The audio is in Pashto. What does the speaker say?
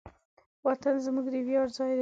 وطن زموږ د ویاړ ځای دی.